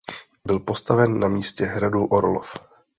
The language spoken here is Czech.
Byl postaven na místě hradu Orlov.